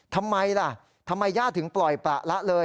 ทำไมล่ะทำไมย่าถึงปล่อยประละเลย